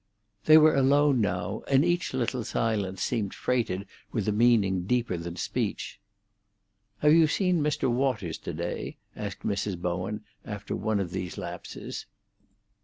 They were alone now, and each little silence seemed freighted with a meaning deeper than speech. "Have you seen Mr. Waters to day?" asked Mrs. Bowen, after one of these lapses.